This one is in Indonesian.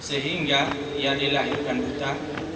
sehingga ia dilahirkan buta